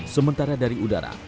sementara dari udara